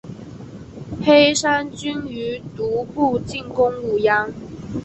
黑山军于毒部进攻武阳。